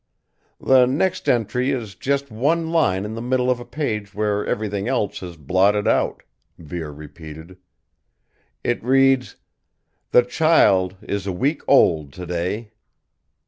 "The next entry is just one line in the middle of a page where everything else is blotted out," Vere repeated. "It reads: 'The child is a week old today.'"